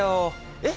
えっ？